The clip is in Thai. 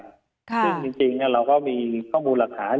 ซึ่งจริงเราก็มีข้อมูลหลักฐาน